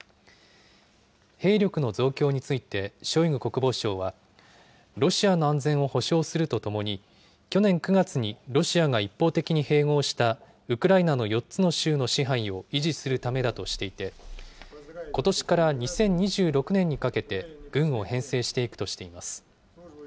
兵力の増強について、ショイグ国防相は、ロシアの安全を保障するとともに、去年９月にロシアが一方的に併合したウクライナの４つの州の支配を維持するためだとしていて、ことしから２０２６年にかけて、軍を編成していくとしています。